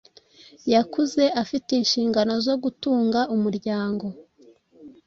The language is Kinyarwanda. yakuze afite inshingano zo gutunga umuryango